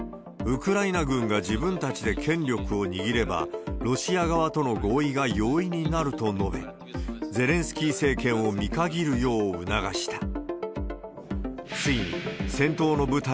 ウクライナ軍が自分たちで権力を握れば、ロシア側との合意が容易になると述べ、ゼレンスキー政権を見限るよう促した。